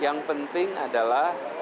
yang penting adalah